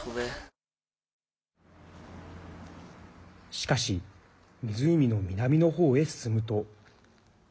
しかし、湖の南の方へ進むと。